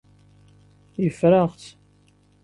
Yeffer-aɣ-tt.